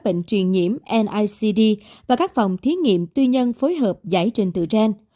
bệnh truyền nhiễm và các phòng thí nghiệm tuy nhân phối hợp giải trình tựa trang